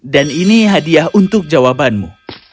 dan ini hadiah untuk jawabanmu